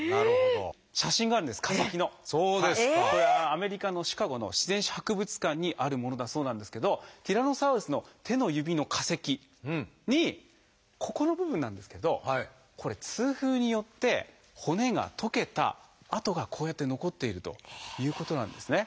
アメリカのシカゴの自然史博物館にあるものだそうなんですけどティラノサウルスの手の指の化石にここの部分なんですけどこれ痛風によって骨が溶けた痕がこうやって残っているということなんですね。